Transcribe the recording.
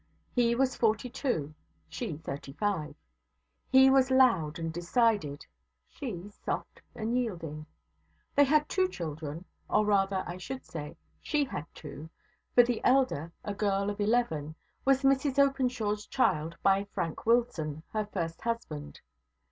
He was forty two, she thirty five. He was loud and decided; she soft and yielding. They had two children; or rather, I should say, she had two; for the elder, a girl of eleven, was Mrs Openshaw's child by Frank Wilson, her first husband.